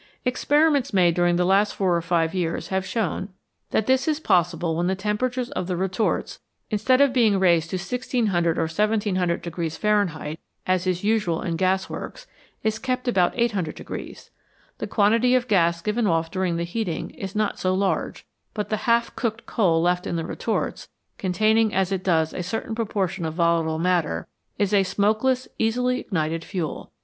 Experiments made during the last four or five years have shown that this is possible when the temperature of the retorts, instead of being raised to 1600 or 1700 Fahrenheit, as is usual in gasworks, is kept about 800. The quantity of gas given off' during the heating is not so large, but the half coked coal left in the retorts, contain ing as it does a certain proportion of volatile matter, is a smokeless, easily ignited fuel.